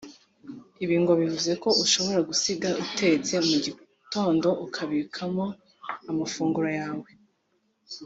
Ibi ngo bivuze ko ushobora gusiga utetse mu gitondo ukabikamo amafunguro yawe